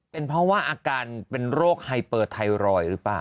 เป็นเพราะว่าอาการเป็นโรคไฮเปอร์ไทรอยด์หรือเปล่า